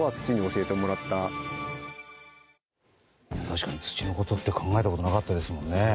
確かに土のことって考えたことなかったですね。